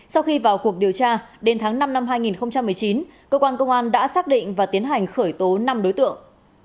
sau khi vào cuộc điều tra đến tháng năm năm hai nghìn một mươi chín cơ quan công an đã xác định và tiến hành khởi tố năm đối tượng